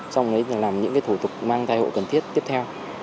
sau đó làm những thủ tục mang thai hộ cần thiết tiếp theo